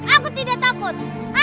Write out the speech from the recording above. aku tidak takut